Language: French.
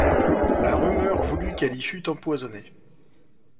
La rumeur voulut qu’elle y fut empoisonnée.